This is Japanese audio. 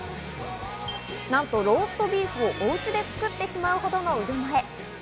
なんとローストビーフをおうちで作ってしまうほどの腕前。